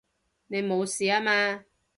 你無事吓嘛！